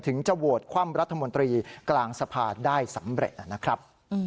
จะโหวตคว่ำรัฐมนตรีกลางสภาได้สำเร็จนะครับ